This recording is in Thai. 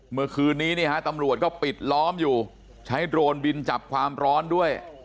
เมื่อคืนนี้ตำรวจก็ปิดล้อมอยู่ใช้โดรนบินจับความร้อนด้วย